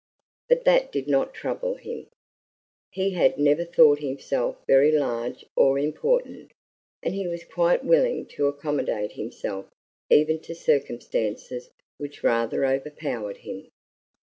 But that did not trouble him; he had never thought himself very large or important, and he was quite willing to accommodate himself even to circumstances which rather overpowered him.